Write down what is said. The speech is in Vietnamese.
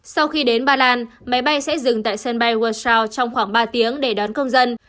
sau khi đến ba lan máy bay sẽ dừng tại sân bay world show trong khoảng ba tiếng để đón công dân